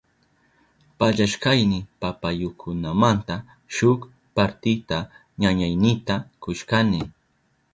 Pallashkayni papayukunamanta shuk partita ñañaynita kushkani.